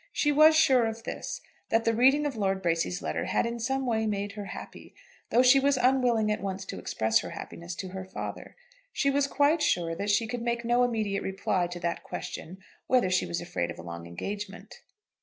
She was sure of this, that the reading of Lord Bracy's letter had in some way made her happy, though she was unwilling at once to express her happiness to her father. She was quite sure that she could make no immediate reply to that question, whether she was afraid of a long engagement.